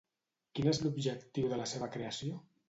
Quin és l'objectiu de la seva creació?